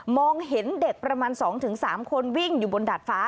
เห็นเด็กประมาณ๒๓คนวิ่งอยู่บนดาดฟ้า